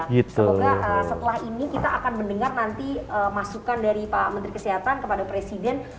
semoga setelah ini kita akan mendengar nanti masukan dari pak menteri kesehatan kepada presiden